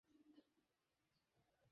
চোখ বন্ধ করতে পারে না।